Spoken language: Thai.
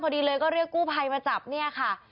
พอดีเลยก็เรียกกู้ภัยมาจับเนี่ยค่ะ